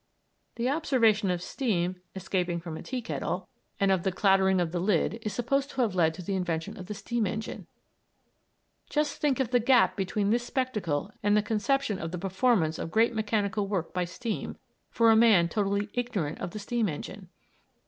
The observation of steam escaping from a tea kettle and of the clattering of the lid is supposed to have led to the invention of the steam engine. Just think of the gap between this spectacle and the conception of the performance of great mechanical work by steam, for a man totally ignorant of the steam engine!